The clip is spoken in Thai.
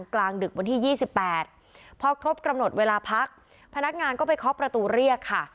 กลางดึกวันที่๒๘พอครบกำหนดเวลาพักพนักงานก็ไปเคาะประตูเรียกค่ะ